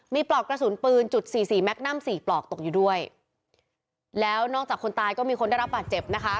มีปลอกกระสุนปืนจุดสี่สี่แก๊นัมสี่ปลอกตกอยู่ด้วยแล้วนอกจากคนตายก็มีคนได้รับบาดเจ็บนะคะ